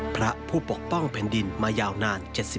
พระผู้ปกป้องแผ่นดินมายาวนาน๗๐